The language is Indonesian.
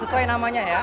sesuai namanya ya